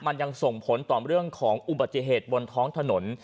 มันยังส่งผลต่อเรื่องของอุบัติเหตุบนท้องถนน